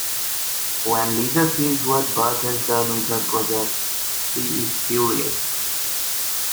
When Lisa sees what Bart has done with her project, she is furious.